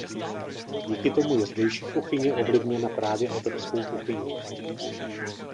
Díky tomu je zdejší kuchyně ovlivněna právě evropskou kuchyní.